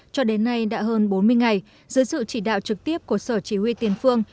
cho đến nay đã hơn bốn mươi ngày dưới sự chỉ đạo trực tiếp của sở chỉ huy tiền phương